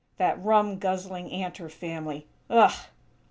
That rum guzzling Antor family!! _Ugh!!